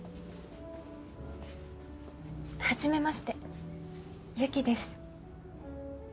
はじめまして雪です。